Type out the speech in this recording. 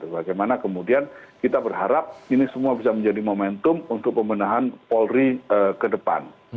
bagaimana kemudian kita berharap ini semua bisa menjadi momentum untuk pembenahan polri ke depan